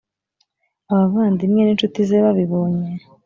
Abavandimwe n’inshuti ze babibonye